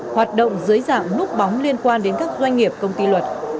hoạt động dưới dạng núp bóng liên quan đến các doanh nghiệp công ty luật